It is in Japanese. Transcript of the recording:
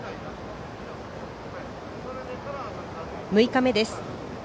６日目です。